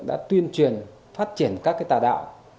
đã tuyên truyền phát triển các tà đạo